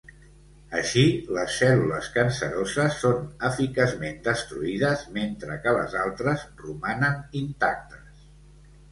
Així les cèl·lules canceroses són eficaçment destruïdes mentre que les altres romanen intactes.